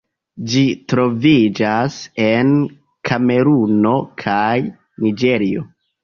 Ĝi troviĝas en Kameruno kaj Niĝerio.